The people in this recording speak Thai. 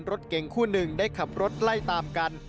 รถเก่งคู่หนึ่งได้ขับรถไล่ตามกัน